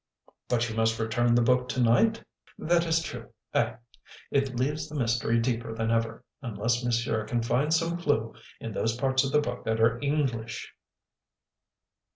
"But you must return the book to night." "That is true. Eh! It leaves the mystery deeper than ever, unless monsieur can find some clue in those parts of the book that are English."